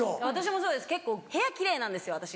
私もそうです結構部屋奇麗なんですよ